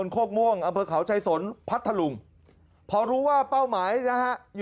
ตอนนี้ก็ยิ่งแล้ว